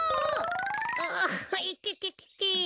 うういてててて。